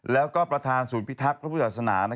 แล้วก็ประธานศูนย์พิทักษ์พระพุทธศาสนา